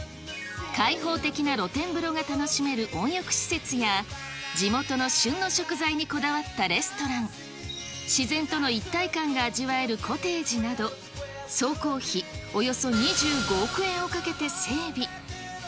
開放的な露天風呂が楽しめる温浴施設や、地元の旬の食材にこだわったレストラン、自然との一体感が味わえるコテージなど、総工費およそ２５億円をかけて整備。